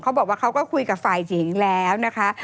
เขาบอกว่าเขาก็คุยกับฝ่ายหญิงแล้วนะคะ